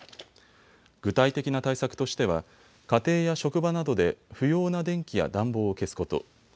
具体的な対策としては家庭や職場などで不要な電気や暖房を消すこと。